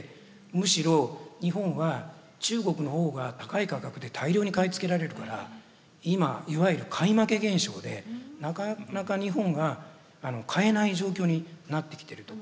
むしろ日本は中国の方が高い価格で大量に買い付けられるから今いわゆる買い負け現象でなかなか日本が買えない状況になってきてると。